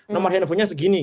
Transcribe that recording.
nomor handphonenya segini gitu